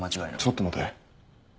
ちょっと待て。